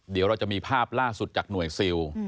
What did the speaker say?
เดี๋ยวเราจะมีภาพล่าสุดจากหน่วยซิล